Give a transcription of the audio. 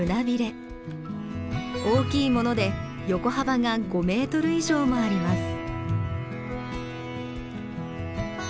大きいもので横幅が５メートル以上もあります。